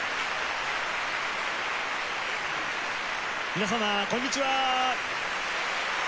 皆様こんにちは。